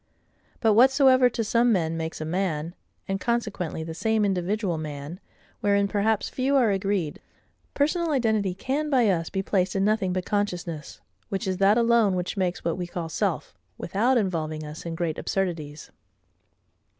But whatsoever to some men makes a man, and consequently the same individual man, wherein perhaps few are agreed, personal identity can by us be placed in nothing but consciousness, (which is that alone which makes what we call SELF,) without involving us in great absurdities.